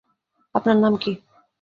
আপনার নাম কী?